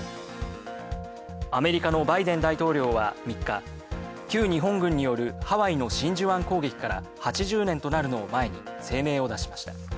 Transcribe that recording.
アメリカのバイデン大統領は３日旧日本軍によるハワイの真珠湾攻撃から８０年となるのを前に声明を出しました。